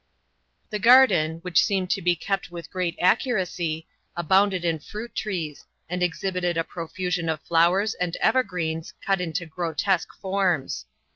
The garden, which seemed to be kept with great accuracy, abounded in fruit trees, and exhibited a profusion of flowers and evergreens, cut into grotesque forms.